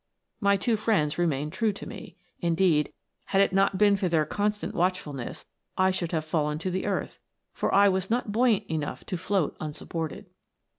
My two friends remained true to me. Indeed, had it not been for their constant watchfulness I should have fallen to the earth, for I was not buoyant enough to float unsupported.